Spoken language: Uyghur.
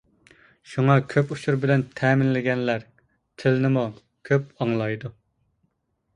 شۇڭا كۆپ ئۇچۇر بىلەن تەمىنلىگەنلەر تىلنىمۇ كۆپ ئاڭلايدۇ.